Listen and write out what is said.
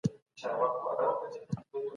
استازي چیري د مدني ټولني ملاتړ کوي؟